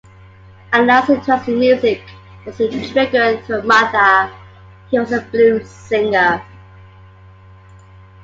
Anouk's interest in music was triggered through her mother, who was a blues singer.